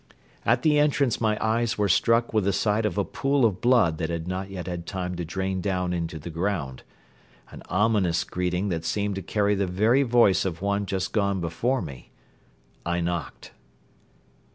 At the entrance my eyes were struck with the sight of a pool of blood that had not yet had time to drain down into the ground an ominous greeting that seemed to carry the very voice of one just gone before me. I knocked.